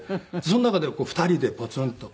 その中で２人でポツンと。